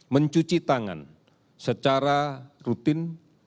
mencuci tangan secara rutin